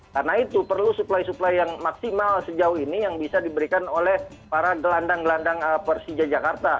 karena itu perlu supply supply yang maksimal sejauh ini yang bisa diberikan oleh para gelandang gelandang persija jakarta